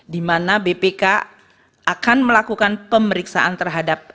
di mana bpk akan melakukan pemeriksaan terhadap ruu apbn dua ribu dua puluh empat